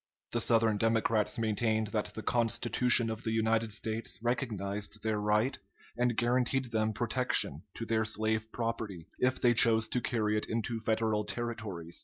The Southern Democrats maintained that the Constitution of the United States recognized their right and guaranteed them protection to their slave property, if they chose to carry it into Federal Territories.